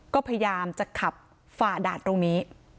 ก็พยายามจะขับฝ่าด่านตรงนี้